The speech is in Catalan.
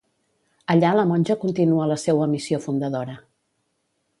Allà la monja continua la seua missió fundadora.